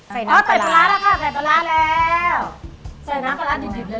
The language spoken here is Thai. แค่มาใส่ปลาร้าไปแล้วหอมเลย